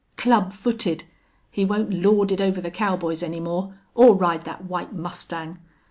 "Club footed!... He won't lord it over the cowboys any more or ride that white mustang!"